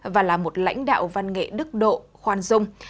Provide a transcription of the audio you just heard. và là một lãnh đạo văn nghệ đức độ khoan dung